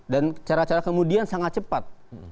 dan cara cara kemudian sangat cepat